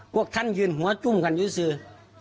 พวกท่านยืนหัวจุ้มขันอยู่อยู่ซึ้อ